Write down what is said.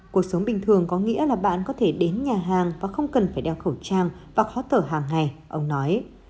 cuộc sống bình thường có nghĩa là bạn có thể đến nhà hàng và không cần phải đeo khẩu trang và khó thở hàng ngày ông nói